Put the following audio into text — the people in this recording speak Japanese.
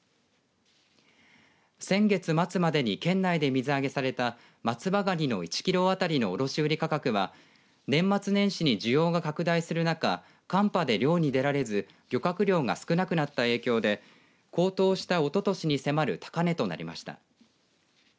先月末までに県内で水揚げされた松葉がにの１キロ当たりの卸売価格は年末年始に需要が拡大する中寒波で漁に出られず漁獲量が少なくなった影響で高騰した、おととしに迫る高値となりました。